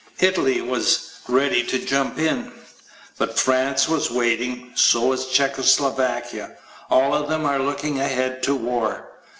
Italy was ready to jump in. But France was waiting. So was Czechoslovakia. All of them are looking ahead to war.